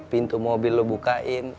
pintu mobil lu bukain